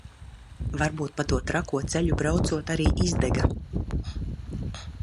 Varbūt pa to trako ceļu braucot arī izdega.